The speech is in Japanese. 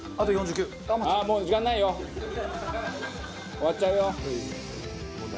終わっちゃうよ。